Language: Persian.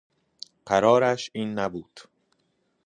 قرارش این نبود